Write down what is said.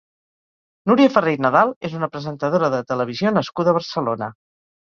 Núria Ferré i Nadal és una presentadora de televisió nascuda a Barcelona.